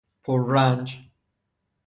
پررنج